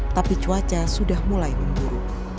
tapi cuaca sudah mulai memburuk